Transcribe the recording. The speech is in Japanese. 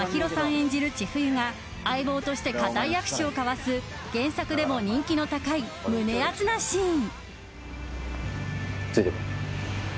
演じる千冬が相棒として固い握手を交わす原作でも人気の高い胸熱なシーン。